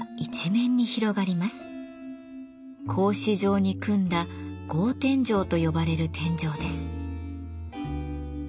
格子状に組んだ格天井と呼ばれる天井です。